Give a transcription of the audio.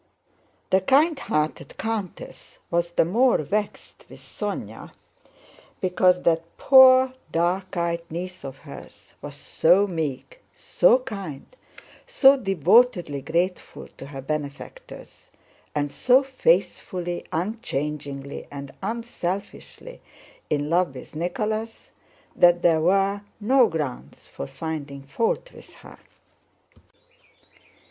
The kindhearted countess was the more vexed with Sónya because that poor, dark eyed niece of hers was so meek, so kind, so devotedly grateful to her benefactors, and so faithfully, unchangingly, and unselfishly in love with Nicholas, that there were no grounds for finding fault with her.